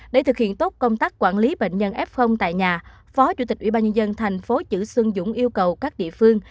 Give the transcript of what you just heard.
để thực hiện tốt công tác quản lý bệnh nhân f tại nhà phó chủ tịch ubnd tp chư xuân dũng yêu cầu các địa phương